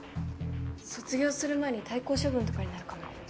卒業する前に退校処分とかになるかも。